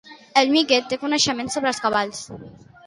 El Mike té coneixements sobre cavalls?